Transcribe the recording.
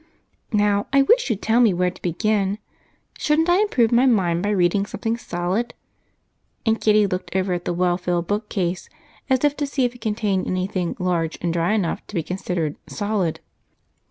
Now I wish you'd tell me where to begin. Shouldn't I improve my mind by reading something solid?" And Kitty looked over at the well filled bookcase as if to see if it contained anything large and dry enough to be considered "solid."